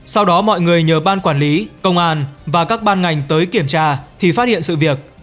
sau đó mọi người nhờ ban quản lý công an và các ban ngành tới kiểm tra thì phát hiện sự việc